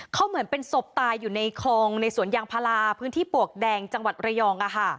เขาเหมือนเป็นศพตายอยู่ในคลองในสวนยางพาราพื้นที่ปวกแดงจังหวัดระยอง